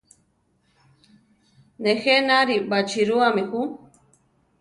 Nejé nari baʼchirúami ju.